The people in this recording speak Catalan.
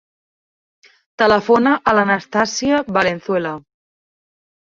Telefona a l'Anastàsia Valenzuela.